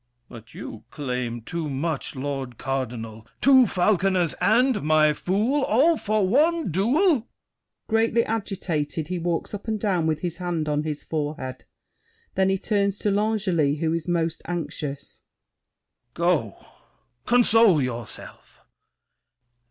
But you claim too much, Lord Cardinal—two falconers and my fool! All for one duel! [Greatly agitated, he walks up and down with his hand on his forehead. Then he turns to L'Angely, who is most anxious. Go! console yourself!